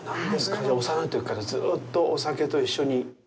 じゃあ、幼いときからずうっとお酒と一緒に？